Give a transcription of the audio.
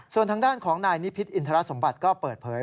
ส่วนทางด้านของนายนิพิษอินทรสมบัติก็เปิดเผย